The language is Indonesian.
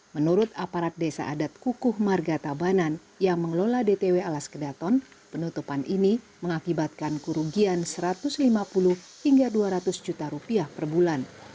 menurut aparat desa adat kukuh marga tabanan yang mengelola dtw alas kedaton penutupan ini mengakibatkan kerugian satu ratus lima puluh hingga dua ratus juta rupiah per bulan